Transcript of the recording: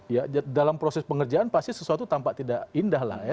ya dalam proses pengerjaan pasti sesuatu tampak tidak indah lah ya